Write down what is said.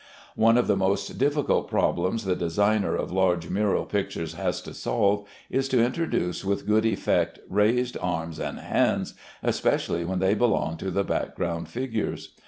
One of the most difficult problems the designer of large mural pictures has to solve, is to introduce with good effect raised arms and hands, especially when they belong to the background figures.